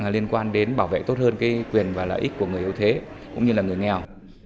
liên quan đến bảo vệ tốt hơn quyền và lợi ích của người yếu thế cũng như là người nghèo